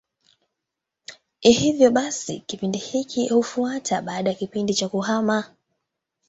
Hivyo basi kipindi hiki hufuata baada ya kipindi cha kuhama.